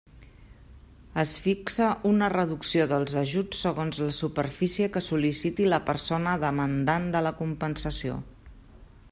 Es fixa una reducció dels ajuts segons la superfície que sol·liciti la persona demandant de la compensació.